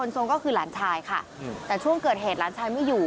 ทรงก็คือหลานชายค่ะแต่ช่วงเกิดเหตุหลานชายไม่อยู่